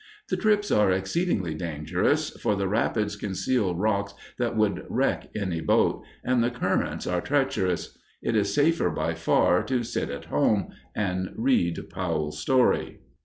The trips are exceedingly dangerous, for the rapids conceal rocks that would wreck any boat, and the currents are treacherous. It is safer, by far, to sit at home and read Powell's story.